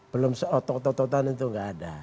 belum seotok otokan itu gak ada